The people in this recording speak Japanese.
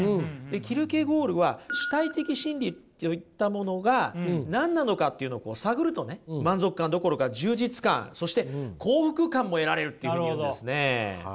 キルケゴールは主体的真理といったものが何なのかっていうのを探るとね満足感どころか充実感そして幸福感も得られるっていうふうに言うんですね。